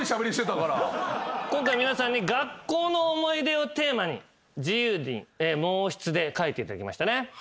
今回皆さんに学校の思い出をテーマに自由に毛筆で書いていただきましたね。